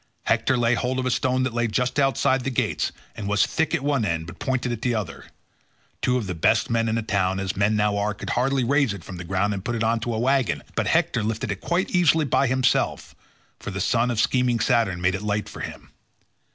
Hector laid hold of a stone that lay just outside the gates and was thick at one end but pointed at the other; two of the best men in a town, as men now are, could hardly raise it from the ground and put it on to a waggon, but Hector lifted it quite easily by himself, for the son of scheming Saturn made it light for him.